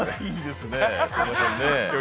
いいですね。